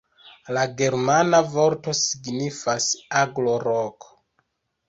La germana vorto signifas aglo-roko.